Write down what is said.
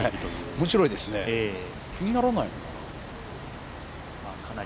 おもしろいですね気にならないのかな？